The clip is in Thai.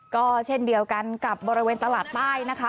ก็เช่นเดียวกันกับบริเวณตลาดใต้นะคะ